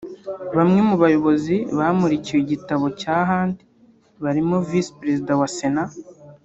Bamwe mu bayobozi bamurikiwe igitabo cya Hunt barimo Visi Perezida wa Sena